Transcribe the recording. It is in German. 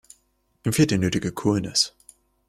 Ihm fehlt die nötige Coolness.